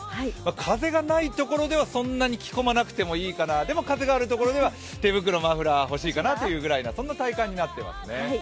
風がないところでは、そんなに着込まなくてもいいかな、でも風があるところでは手袋、マフラー欲しいかなというそんなぐらいの体感になってますね。